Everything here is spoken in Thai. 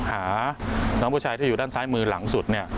หาน้องผู้ชายที่อยู่ด้านซ้ายมือหลังสุดเนี่ย